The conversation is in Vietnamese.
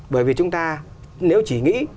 bởi vì chúng ta nếu chỉ nghĩ